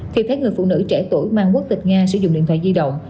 thì thấy người phụ nữ trẻ tuổi mang quốc tịch nga sử dụng điện thoại di động